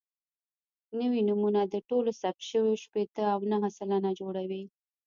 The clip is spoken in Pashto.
نوي نومونه د ټولو ثبت شویو شپېته او نهه سلنه جوړوي.